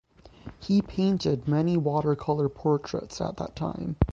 He painted many watercolor portraits at that time.